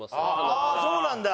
ああそうなんだ！